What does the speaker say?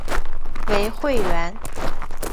为会员。